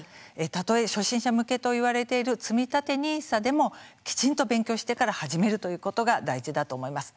たとえ初心者向けといわれているつみたてＮＩＳＡでもきちんと勉強してから始めるということが大事だと思います。